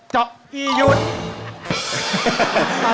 จบอียุทธ์